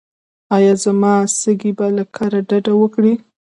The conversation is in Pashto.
ایا زما سږي به له کار ډډه وکړي؟